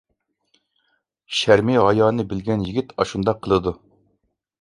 شەرمى ھايانى بىلگەن يىگىت ئاشۇنداق قىلىدۇ.